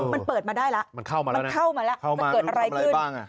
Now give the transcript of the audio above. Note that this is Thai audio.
มันเปิดมาได้แล้ว